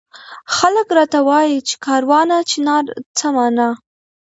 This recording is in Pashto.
خلک راته وایي چي کاروانه چنار څه مانا؟